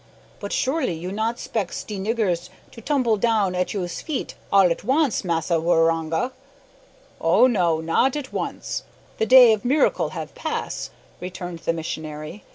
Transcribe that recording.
"But surely you not spec's de niggers to tumbil down at yous feet all at wance, Massa Waroonga?" "Oh no, not at once. The day of miracle have pass," returned the missionary.